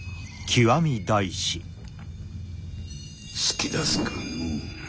突き出すかのう。